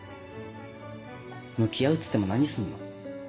向き合うっつっても何すんの？